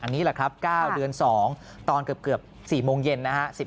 อันนี้แหละครับ๙เดือน๒ตอนเกือบ๔โมงเย็นนะฮะ